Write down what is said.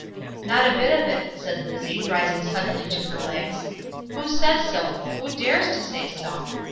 "Not a bit of it," said Lizzie, rising suddenly to her legs. "Who says so? Who dares to say so?